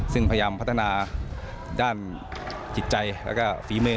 ซึ่งพยายามพัฒนาด้านจิตใจแล้วก็ฝีมือ